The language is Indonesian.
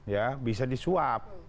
ya bisa disuap